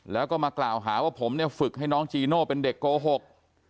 แล้วก็มากล่าวหาว่าผมเนี่ยฝึกให้น้องจีโน่เป็นเด็กโกหก